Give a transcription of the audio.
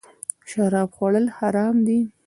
شراب خوړل حرام دی